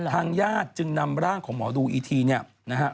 ทางญาติจึงนำร่างของหมอดูอีทีเนี่ยนะฮะ